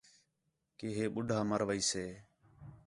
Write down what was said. کہ ہِے ٻُڈّھا مَر ویسے